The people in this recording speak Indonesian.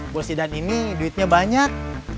bos idan ini duitnya banyak